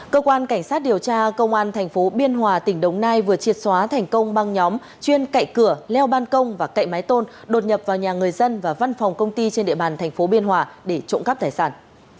cơ quan cảnh sát điều tra công an thành phố biên hòa tỉnh đồng nai vừa triệt xóa thành công băng nhóm chuyên cậy cửa leo ban công và cậy máy tôn đột nhập vào nhà người dân và văn phòng công ty trên địa bàn thành phố biên hòa để trộm cắp tài sản